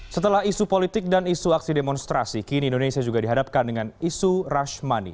setelah isu politik dan isu aksi demonstrasi kini indonesia juga dihadapkan dengan isu rashmani